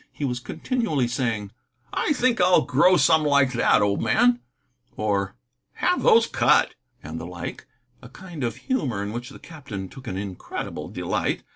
He was continually saying: "I think I'll grow some like that, old man," or "Have those cut," and the like, a kind of humor in which the captain took an incredible delight.